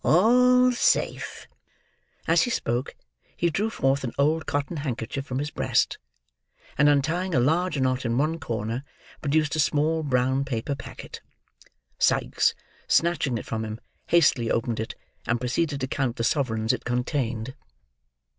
All safe!" As he spoke, he drew forth an old cotton handkerchief from his breast; and untying a large knot in one corner, produced a small brown paper packet. Sikes, snatching it from him, hastily opened it; and proceeded to count the sovereigns it contained.